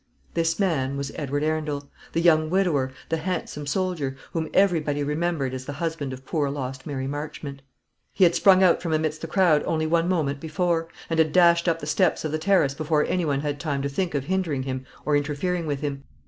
This man was Edward Arundel, the young widower, the handsome soldier, whom everybody remembered as the husband of poor lost Mary Marchmont. He had sprung out from amidst the crowd only one moment before, and had dashed up the steps of the terrace before any one had time to think of hindering him or interfering with him.